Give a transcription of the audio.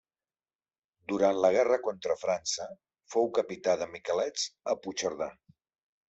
Durant la guerra contra França fou capità de miquelets a Puigcerdà.